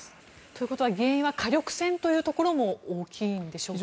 ということは原因は火力戦というところも大きいんでしょうか。